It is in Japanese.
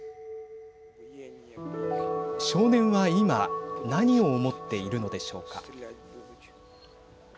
少年は今何を思っているのでしょうか。